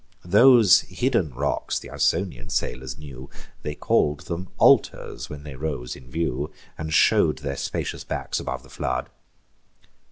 Those hidden rocks th' Ausonian sailors knew: They call'd them Altars, when they rose in view, And show'd their spacious backs above the flood.